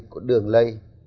có đường lây